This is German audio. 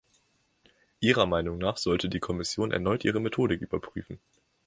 Ihrer Meinung nach sollte die Kommission erneut ihre Methodik überprüfen.